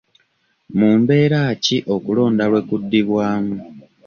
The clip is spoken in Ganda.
Mu mbeera ki okulonda lwe kuddibwaamu?